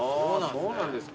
そうなんですか。